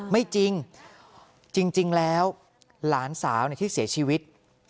ไม่จริงจริงแล้วหลานสาวที่เสียชีวิต